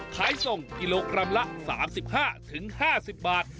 ขายส่งกิโลกรัมละ๓๕๕๐บาท